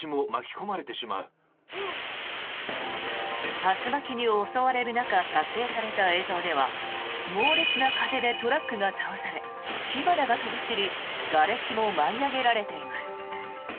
竜巻に襲われる中撮影された映像では猛烈な風でトラックが倒され火花が飛び散りがれきも舞い上げられています。